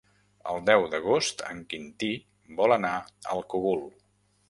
El deu d'agost en Quintí vol anar al Cogul.